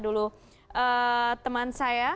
dulu teman saya